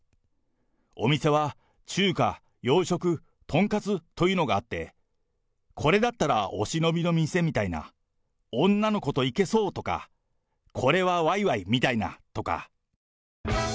お店は中華、洋食、とんかつというのがあって、これだったらお忍びの店みたいな、女の子と行けそうとか、これはわいわいみたいなとか。